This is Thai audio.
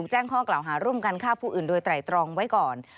หาร่วมกันฆ่าผู้อื่นโดยไตร่ตรองไว้ก่อน